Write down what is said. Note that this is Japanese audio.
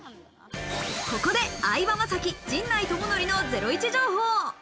ここで相葉雅紀と陣内智則のゼロイチ情報。